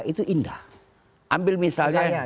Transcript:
itu indah ambil misalnya